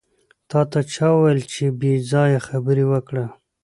تاته چا وېل چې پې ځایه خبرې وکړه.